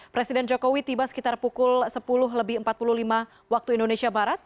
presiden jokowi tiba sekitar pukul sepuluh lebih empat puluh lima waktu indonesia barat